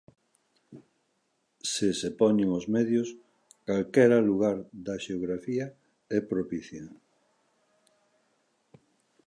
Se se poñen os medios, calquera lugar da xeografía é propicio.